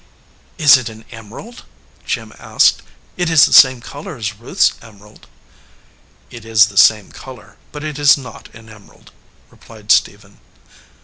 "Is it an emerald ?" Jim asked. "It is the same color as Ruth s emerald." "It is the same color, but it is not an emerald," replied Stephen.